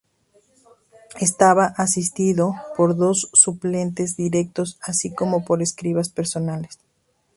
Estaba asistido por dos suplentes directos, así como por escribas personales.